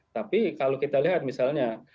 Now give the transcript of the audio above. tapi kalau kita lihat misalnya